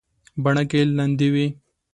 بڼکې لندې وې.